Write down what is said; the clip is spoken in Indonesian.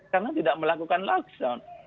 karena tidak melakukan lockdown